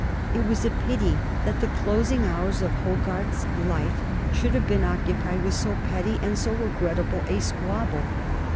It was a pity that the closing hours of Hogarth's life should have been occupied with so petty and so regrettable a squabble.